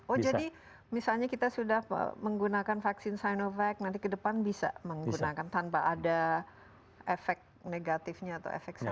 oh jadi misalnya kita sudah menggunakan vaksin sinovac nanti ke depan bisa menggunakan tanpa ada efek negatifnya atau efek samping